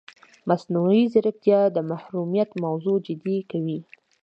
مصنوعي ځیرکتیا د محرمیت موضوع جدي کوي.